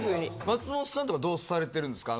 松本さんとかどうされてるんですか？